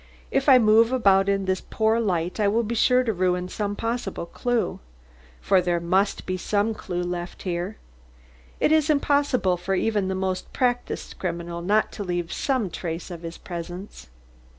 "If I move about in this poor light I will be sure to ruin some possible clue. For there must be some clue left here. It is impossible for even the most practiced criminal not to leave some trace of his presence."